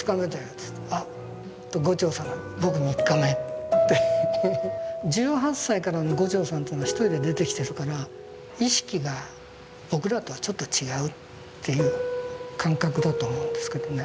っつうと牛腸さんが１８歳からの牛腸さんというのは一人で出てきてるから意識が僕らとはちょっと違うっていう感覚だと思うんですけどね。